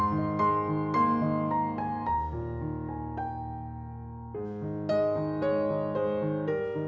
hẹn gặp lại